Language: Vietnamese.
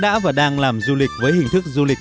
đã và đang làm du lịch với hình thức du lịch